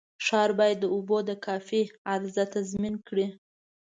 ښار باید د اوبو د کافي عرضه تضمین کړي.